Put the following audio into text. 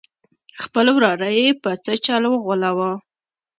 خپل وراره یې په څه چل وغولاوه.